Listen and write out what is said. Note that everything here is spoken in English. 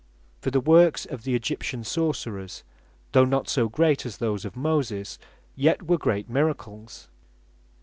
For the works of the Egyptian Sorcerers, though not so great as those of Moses, yet were great miracles.